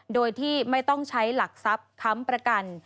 โดยที่ไม่ต้องใช้หลักทรัพย์ค้ำประกัน